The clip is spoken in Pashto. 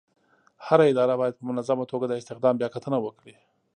هره اداره باید په منظمه توګه د استخدام بیاکتنه وکړي.